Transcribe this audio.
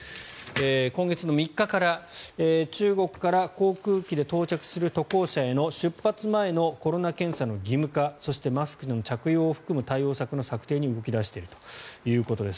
今月３日から中国から航空機で到着する渡航者への出発前のコロナ検査の義務化そしてマスクの着用を含む対応策の策定に動き出しているということです。